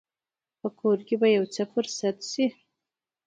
په کور کې به يو څه پرې سد شي.